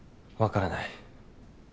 わからない。